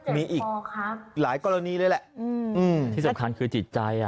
มีอีกหลายกรณีเลยแหละที่สำคัญคือจิตใจ